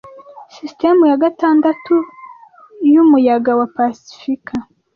Sisitemu ya gatandatu yumuyaga wa pasifika